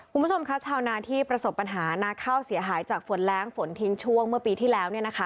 คุณผู้ชมคะชาวนาที่ประสบปัญหานาข้าวเสียหายจากฝนแรงฝนทิ้งช่วงเมื่อปีที่แล้ว